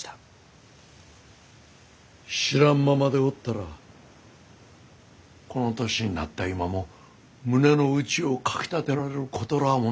知らんままでおったらこの年になった今も胸の内をかきたてられることらあもなかったろう。